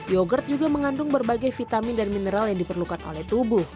yogurt juga mengandung berbagai vitamin dan mineral yang diperlukan oleh tubuh